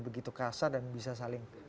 begitu kasar dan bisa saling